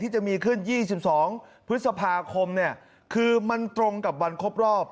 ที่จะมีขึ้นยี่สิบสองพฤษภาคมเนี่ยคือมันตรงกับวันครบรอบ